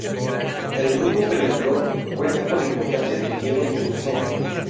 El grupo Peñaflor cuenta con importantes viñedos en la zona.